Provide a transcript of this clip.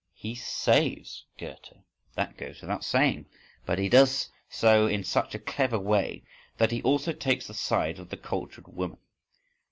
He saves Goethe, that goes without saying; but he does so in such a clever way that he also takes the side of the cultured woman.